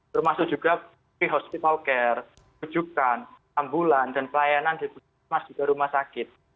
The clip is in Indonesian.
termasuk juga pre hospital care kejukan ambulan dan pelayanan di rumah sakit